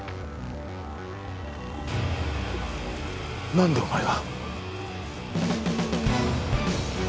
何でお前が。